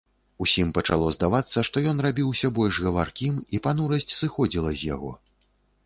Усім пачало здавацца, што ён рабіўся больш гаваркім, і панурасць сыходзіла з яго.